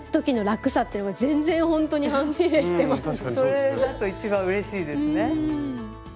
それだと一番うれしいですね。